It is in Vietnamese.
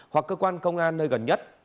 hoặc cơ quan công an nơi gần nhất